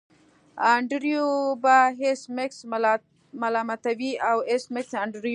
انډریو به ایس میکس ملامتوي او ایس میکس انډریو